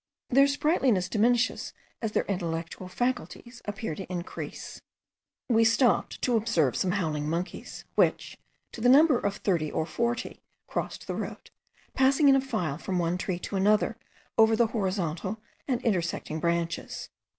Their sprightliness diminishes, as their intellectual faculties appear to increase. We stopped to observe some howling monkeys, which, to the number of thirty or forty, crossed the road, passing in a file from one tree to another over the horizontal and intersecting branches.